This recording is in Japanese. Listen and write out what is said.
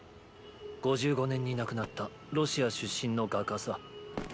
’５５年に亡くなったロシア出身の画家さ。